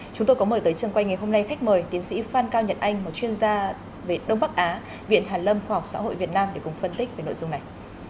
chúng tôi có mời tới trường quay ngày hôm nay khách mời tiến sĩ phan cao nhật anh một chuyên gia về đông bắc á viện hàn lâm khoa học xã hội việt nam để cùng phân tích về nội dung này